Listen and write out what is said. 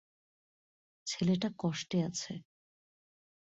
ছেলেটা কষ্টে আছে।